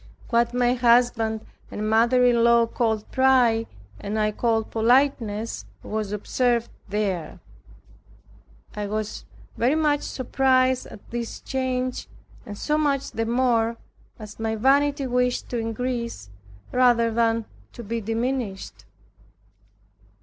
What my husband and mother in law called pride, and I called politeness, was observed there. I was very much surprised at this change, and so much the more, as my vanity wished to increase, rather than to be diminished.